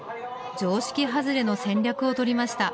常識外れの戦略をとりました。